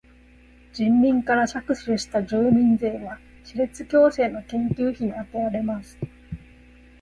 人民から搾取した住民税は歯列矯正の研究費にあてられます。